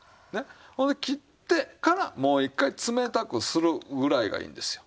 ほんで切ってからもう一回冷たくするぐらいがいいんですよ。